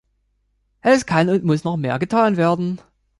Es kann und muss noch mehr getan werden.